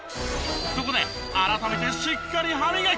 そこで改めてしっかり歯磨き。